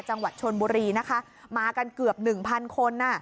จังหวัดชนบุรีนะคะมากันเกือบ๑๐๐๐คน